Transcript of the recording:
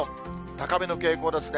高めの傾向ですね。